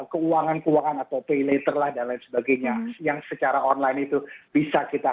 keuangan keuangan atau pilih telah dan lain sebagainya yang secara online itu bisa kita